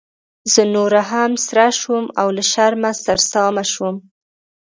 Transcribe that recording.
زه نوره هم سره شوم او له شرمه سرسامه شوم.